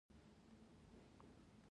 یورانیم د افغانستان د شنو سیمو ښکلا ده.